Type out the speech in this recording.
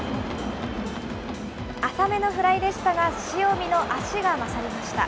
浅めのフライでしたが、塩見の足が勝りました。